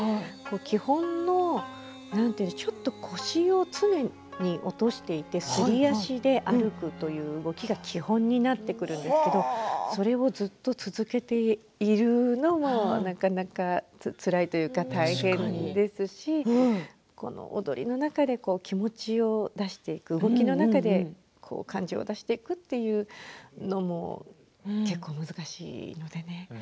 基本のちょっと腰を常に落としていて、すり足で歩くという動きが基本なんですけれどそれをずっと続けているのもなかなかつらいというか大変ですしこの踊りの中で気持ちを出していく動きの中で感情を出していくというのも結構難しいのでね。